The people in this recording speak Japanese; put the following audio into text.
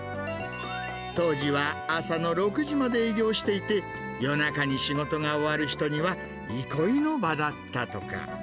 当時は朝の６時まで営業していて、夜中に仕事が終わる人には、憩いの場だったとか。